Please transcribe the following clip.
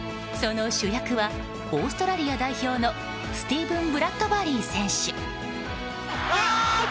その主役はオーストラリア代表のスティーブン・ブラッドバリー選手。